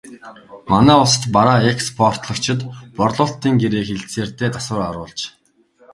Манай улсад бараа экспортлогчид борлуулалтын гэрээ хэлэлцээртээ засвар оруулж эхэллээ хэмээн өгүүлэв.